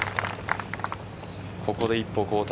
ここで一歩後退。